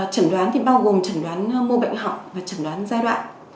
chẩn đoán thì bao gồm trần đoán mô bệnh học và chẩn đoán giai đoạn